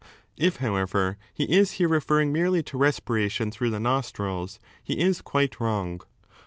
If, however, he is here 8 referring merely to respiration through the nostrils, he is quite wrong.